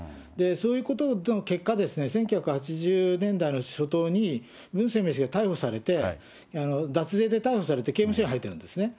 そういうことでの結果ですね、１９８０年代の初頭に、文鮮明氏が逮捕されて、脱税で逮捕されて刑務所に入ってるんですね。